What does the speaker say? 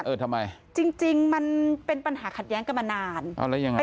เออทำไมจริงจริงมันเป็นปัญหาขัดแย้งกันมานานเอาแล้วยังไง